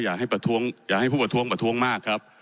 อย่าให้ผู้ประท้วงประท้วงมากครับ